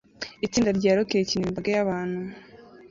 Itsinda rya rock rikinira imbaga yabantu